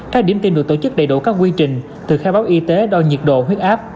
các điểm tin được tổ chức đầy đủ các quy trình từ khai báo y tế đo nhiệt độ huyết áp